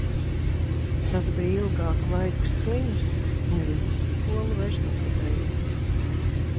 Tad bij ilgāku laiku slims un vidusskolu vairs nepabeidza.